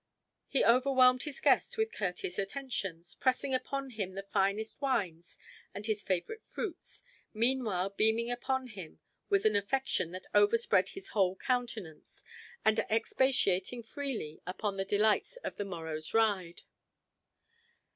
He overwhelmed his guest with courteous attentions, pressing upon him the finest wines and his favorite fruits, meanwhile beaming upon him with an affection that overspread his whole countenance, and expatiating freely upon the delights of the morrow's ride.